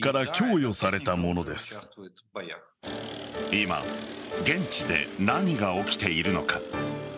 今、現地で何が起きているのか。